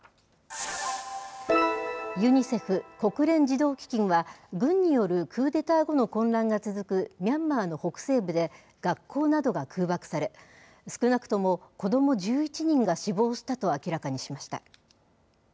ユニセフ・国連児童基金は、軍によるクーデター後の混乱が続くミャンマーの北西部で、学校などが空爆され、少なくとも子ども１１人が死亡したと明らかにしました。